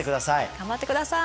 頑張って下さい。